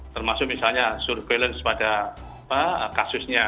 termasuk misalnya surveillance pada kasusnya